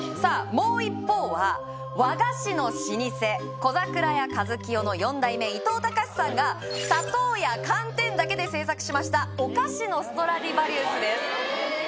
もう一方は和菓子の老舗小ざくらや一清の４代目伊藤高史さんが砂糖や寒天だけで製作しましたお菓子のストラディヴァリウスですええー